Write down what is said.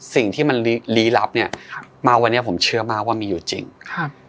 สิ่งที่มันลี้ลี้ลับเนี้ยครับมาวันนี้ผมเชื่อมากว่ามีอยู่จริงครับ